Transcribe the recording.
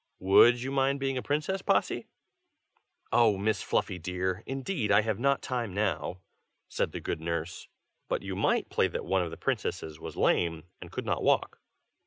Would you mind being a princess, Possy?" "Oh! Miss Fluffy, dear, indeed I have not time, now," said the good nurse; "but you might play that one of the princesses was lame, and could not walk."